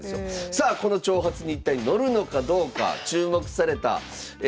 さあこの挑発に一体乗るのかどうか注目されたシリーズが開幕。